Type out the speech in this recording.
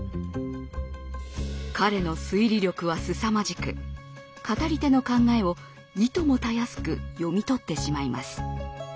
彼の推理力はすさまじく語り手の考えをいともたやすく読み取ってしまいます。